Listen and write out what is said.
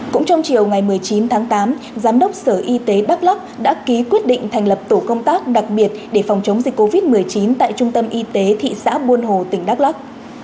cũng trong chiều ngày một mươi chín tháng tám giám đốc sở y tế đắk lắk đã ký quyết định thành lập tổ công tác đặc biệt để phòng chống dịch covid một mươi chín tại trung tâm y tế thị xã buôn hồ tỉnh đắk lắc